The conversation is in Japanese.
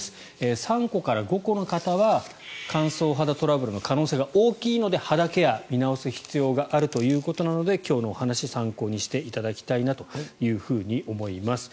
３個から５個の方は乾燥肌トラブルの可能性が大きいので肌ケアを見直す必要があるということなので今日のお話参考にしていただきたいと思います。